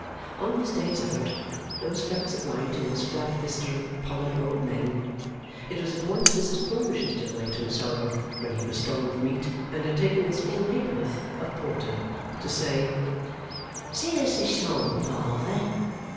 On his 'days out,' those flecks of light in his flat vista of pollard old men,' it was at once Mrs Plornish's delight and sorrow, when he was strong with meat, and had taken his full halfpenny worth of porter, to say, 'Sing us a song, Father.